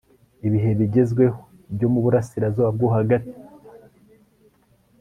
Ibihe bigezweho byo mu burasirazuba bwo hagati